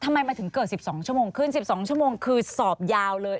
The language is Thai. ทำไมมันถึงเกิด๑๒ชั่วโมงขึ้น๑๒ชั่วโมงคือสอบยาวเลย